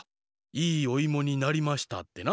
「いいおいもになりました」ってな。